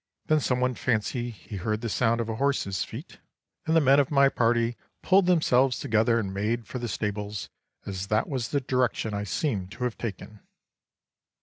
Then some one fancied he heard the sound of a horse's feet, and the men of my party pulled themselves together and made for the stables, as that was the direction I seemed to have taken.